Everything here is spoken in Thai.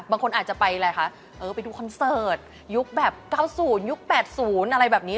บางคนอาจจะไปอะไรคะไปดูคอนเสิร์ตยุคแบบ๙๐ยุค๘๐อะไรแบบนี้